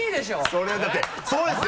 それだってそうですよ。